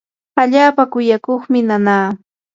allaapa kuyakuqmi nanaa.